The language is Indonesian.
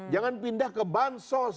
jangan pindah ke bank sos